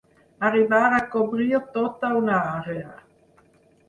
Arribar a cobrir tota una àrea.